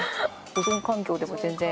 保存環境でも全然。